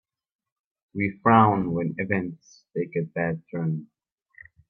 We frown when events take a bad turn.